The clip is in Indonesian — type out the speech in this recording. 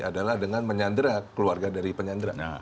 adalah dengan menyandera keluarga dari penyandera